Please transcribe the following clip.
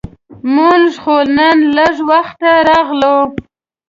مونږ خو نن لږ وخته راغلو.